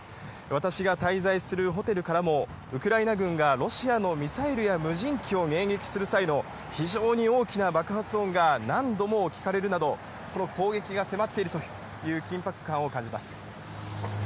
私が滞在するホテルからも、ウクライナ軍がロシアのミサイルや無人機を迎撃する際の非常に大きな爆発音が何度も聞かれるなど、攻撃が迫っているという緊迫感を感じます。